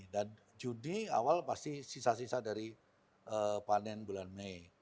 dan juni awal pasti sisa sisa dari panen bulan mei